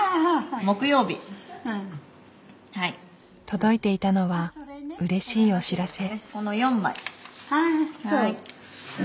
届いていたのはうれしいお知らせ。